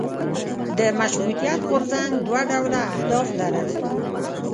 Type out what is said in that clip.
د مشروطیت غورځنګ دوه ډوله اهداف لرل.